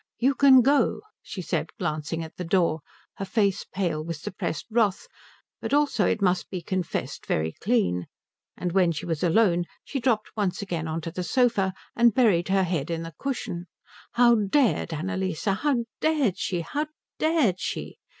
"You can go," she said, glancing at the door, her face pale with suppressed wrath but also, it must be confessed, very clean; and when she was alone she dropped once again on to the sofa and buried her head in the cushion. How dared Annalise? How dared she? How dared she?